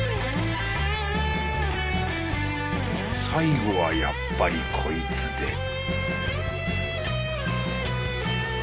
最後はやっぱりこいつで